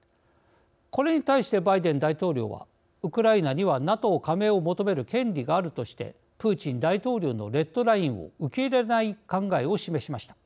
これに対してバイデン大統領はウクライナにはＮＡＴＯ加盟を求める権利があるとしてプーチン大統領のレッドラインを受け入れない考えを示しました。